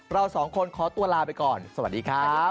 เราสองคนขอตัวลาไปก่อนสวัสดีครับ